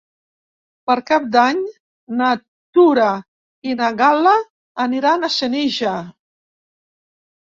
Per Cap d'Any na Tura i na Gal·la aniran a Senija.